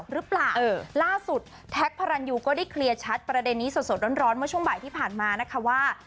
หรือเปล่าล่าสุดแท็กพระรันยูก็ได้เคลียร์ชัดประเด็นนี้สดร้อนเมื่อช่วงบ่ายที่ผ่านมานะคะว่า